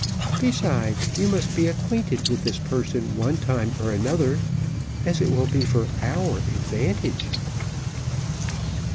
Besides, you must be acquainted with this person one time or another, as it will be for OUR advantage."